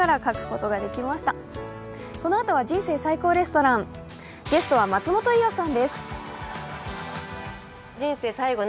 このあとは「人生最高レストラン」、ゲストは松本伊代さんです。